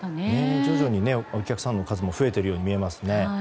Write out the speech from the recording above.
徐々にお客さんの数も増えているように見えますね。